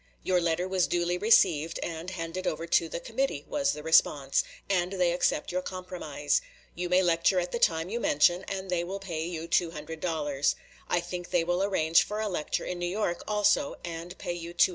"Your letter was duly received and handed over to the committee," was the response, "and they accept your compromise. You may lecture at the time you mention, and they will pay you $200. I think they will arrange for a lecture in New York also, and pay you $200 for that."